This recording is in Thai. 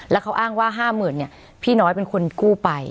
แล้วเขาอ้างว่า๕๐๐๐เนี่ยพี่น้อยเป็นคนกู้ไป